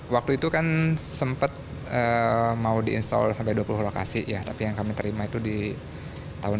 waktu itu kan sempat mau di install sampai dua puluh lokasi ya tapi yang kami terima itu di tahun dua ribu